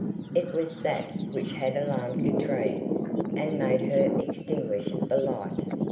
It was that which had alarmed Katrine, and made her extinguish the light.